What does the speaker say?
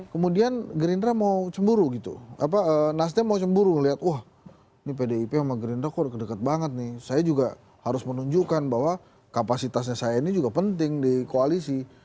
kemudian gerindra mau cemburu gitu apa nasdem mau cemburu lihat wah ini pdip sama gerindra kok deket banget nih saya juga harus menunjukkan bahwa kapasitasnya saya ini juga penting di koalisi